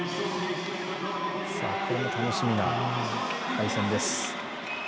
これも楽しみな対戦です。